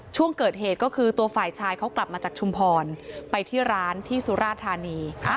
ช่วงเกิดเหตุก็คือตัวฝ่ายชายเขากลับมาจากชุมพรไปที่ร้านที่สุราธานี